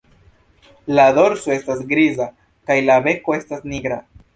La dorso estas griza kaj la beko estas nigra.